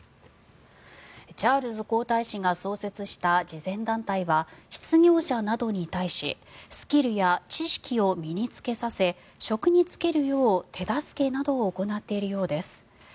チャールズ皇太子が創設した慈善団体は失業者などに対しスキルや知識を身に着けさせ職に就けるよう手助けなどを行っているようです。